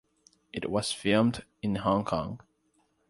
It was filmed in Hong Kong.